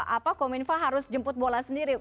apa kominfa harus jemput bola sendiri